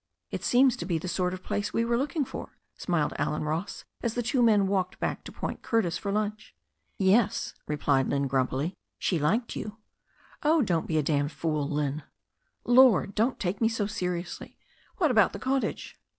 "It seems to be the sort of place we were looking for," •smiled Allen Ross, as the two men walked back to Point Curtis for lunch. "Yes," replied Lynne gnunpily. "She liked you.'* "Oh, don't be a damned fool, Lynne." "Lord ! Don't take me so seriously. What about the cot tage?"